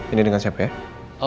ini dengan siapa ya